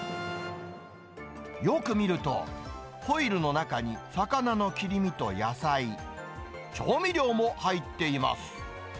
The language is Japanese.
よく見ると、ホイルの中に魚の切り身と野菜、調味料も入っています。